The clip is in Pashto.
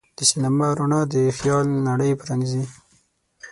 د سینما رڼا د خیال نړۍ پرانیزي.